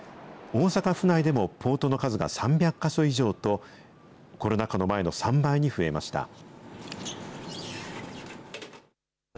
大阪府内でもポートの数が３００か所以上と、コロナ禍の前の３倍に増えました。